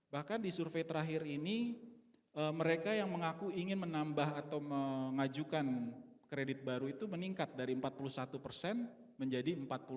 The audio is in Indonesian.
bahkan di survei terakhir ini mereka yang mengaku ingin menambah atau mengajukan kredit baru itu meningkat dari empat puluh satu persen menjadi empat puluh lima